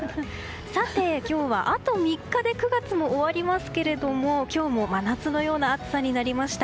今日はあと３日で９月も終わりますけど今日も真夏のような暑さでした。